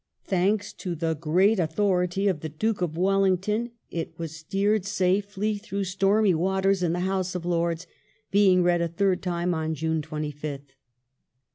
Thanks to the great authority of the Duke of Wellington it was steered safely through stormy waters in the House of Lords, being read a third time on June 25th.